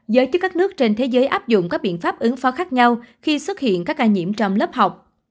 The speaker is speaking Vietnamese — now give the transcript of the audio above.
giới chức các nước trên thế giới áp dụng các biện pháp ứng phó khác nhau khi xuất hiện các ca nhiễm trong lớp học